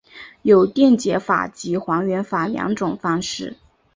有电解法及还原法两种方式。